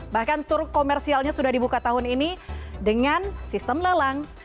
bahkan turk komersialnya sudah dibuka tahun ini dengan sistem lelang